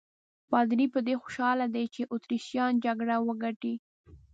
پادري په دې خوشاله دی چې اتریشیان جګړه وګټي.